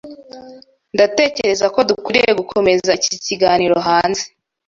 Ndatekereza ko dukwiye gukomeza iki kiganiro hanze.